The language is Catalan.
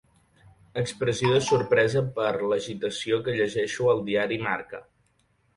Expressió de sorpresa per l'agitació que llegeixo al diari Marca.